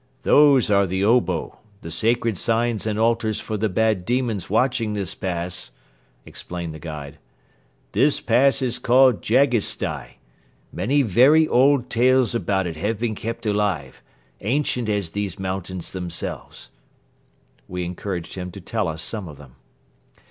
"Those are the obo, the sacred signs and altars for the bad demons watching this pass," explained the guide. "This pass is called Jagisstai. Many very old tales about it have been kept alive, ancient as these mountains themselves." We encouraged him to tell us some of them.